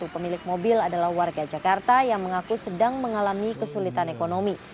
pemilik mobil adalah warga jakarta yang mengaku sedang mengalami kesulitan ekonomi